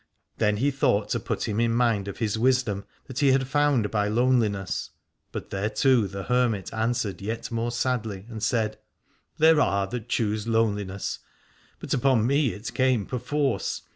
Then he thought to put him 237 Aladore in mind of his wisdom that he had found by loneliness: but thereto the hermit answered yet more sadly and said : There are that choose loneliness, but upon me it came perforce.